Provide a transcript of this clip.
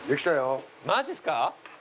マジすか？